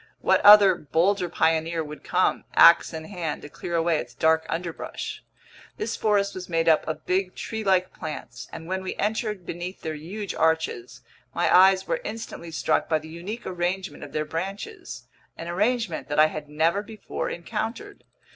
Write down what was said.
What other, bolder pioneer would come, ax in hand, to clear away its dark underbrush? This forest was made up of big treelike plants, and when we entered beneath their huge arches, my eyes were instantly struck by the unique arrangement of their branches—an arrangement that I had never before encountered.